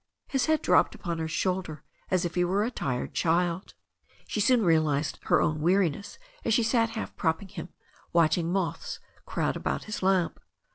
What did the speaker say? His head dropped upon her shoulder as if he were a tired child. She soon realized her own weariness as she sat half prop ping him, watching moths crowd about his lamp.